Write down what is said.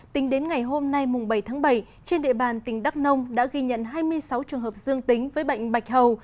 tính đến ngày hôm nay bảy tháng bảy trên địa bàn tỉnh đắk nông đã ghi nhận hai mươi sáu trường hợp dương tính với bệnh bạch hầu